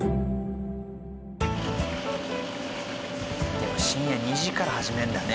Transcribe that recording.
でも深夜２時から始めるんだね。